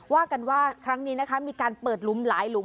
ว่ากันว่าครั้งนี้นะคะมีการเปิดหลุมหลายหลุม